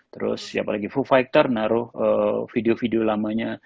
terus ya apalagi foo fighters naruh video video lamanya